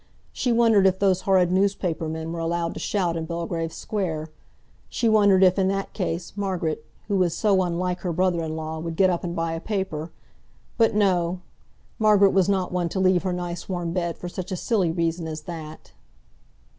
She wondered if those horrid newspaper men were allowed to shout in Belgrave Square; she wondered if, in that case, Margaret, who was so unlike her brother in law, would get up and buy a paper. But no. Margaret was not one to leave her nice warm bed for such a silly reason as that.